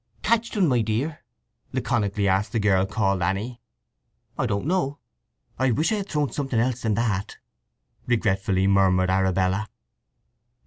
"Catched un, my dear?" laconically asked the girl called Anny. "I don't know. I wish I had thrown something else than that!" regretfully murmured Arabella.